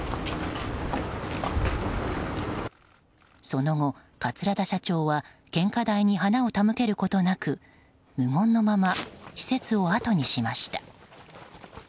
その後、桂田社長は献花台に花を手向けることなく無言のまま施設をあとにしました。